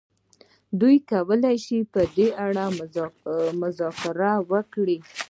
دوی کولای شي په دې اړه مذاکره وکړي.